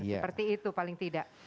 seperti itu paling tidak